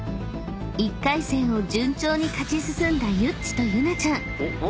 ［１回戦を順調に勝ち進んだユッチとユナちゃん］